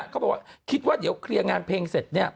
เขาบอกว่าคิดว่าเดี๋ยวเคลียร์งานเพลงเสร็จเนี่ย